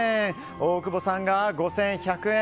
大久保さんが５１００円。